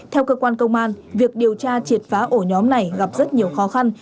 theo cơ quan công an việc điều tra triệt phá ổ nhóm này gặp rất nhiều khó khăn